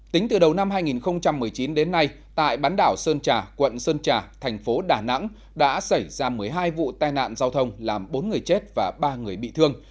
tính từ đầu năm hai nghìn một mươi chín đến nay tại bán đảo sơn trà quận sơn trà thành phố đà nẵng đã xảy ra một mươi hai vụ tai nạn giao thông làm bốn người chết và ba người bị thương